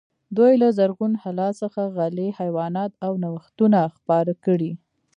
دوی له زرغون هلال څخه غلې، حیوانات او نوښتونه خپاره کړي.